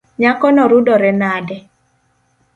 Nyakono rudore nade.